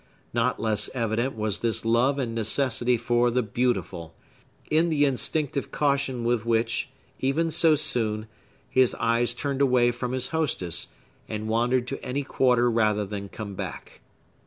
Not less evident was this love and necessity for the Beautiful, in the instinctive caution with which, even so soon, his eyes turned away from his hostess, and wandered to any quarter rather than come back.